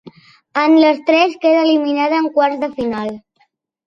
En les tres quedà eliminada en quarts de final.